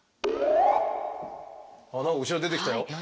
あっ何か後ろに出てきたよ。何？